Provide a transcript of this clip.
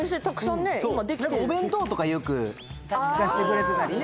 何かお弁当とかよく出してくれてたりね